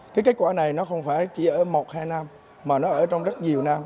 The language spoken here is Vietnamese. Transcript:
cái kết quả này nó không phải chỉ ở một hai năm mà nó ở trong rất nhiều năm